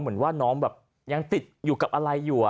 เหมือนว่าน้องแบบยังติดอยู่กับอะไรอยู่